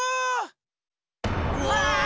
うわ！